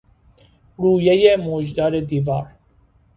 رویهی موجدار دیوار